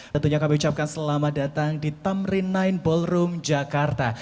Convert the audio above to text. tentunya kami ucapkan selamat datang di tamrin sembilan ballroom jakarta